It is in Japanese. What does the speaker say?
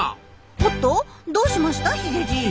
おっとどうしましたヒゲじい？